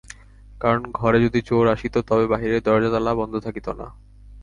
কারণ, ঘরে যদি চোর আসিত তবে বাহিরের দরজার তালা বন্ধ থাকিত না।